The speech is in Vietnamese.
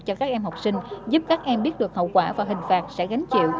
cho các em học sinh giúp các em biết được hậu quả và hình phạt sẽ gánh chịu